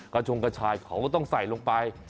ชงกระชายเขาก็ต้องใส่ลงไป